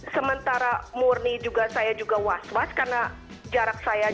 sementara murni juga saya juga was was karena jarak saya juga tujuh ratus meter